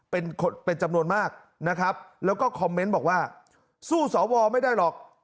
เป็นจำนวนมากและก็บอกว่าสู้ส่วนตรงวอไม่ได้หรอก